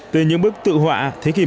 từ những bức tự họa thế kỷ mạng